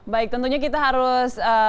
baik tentunya kita harus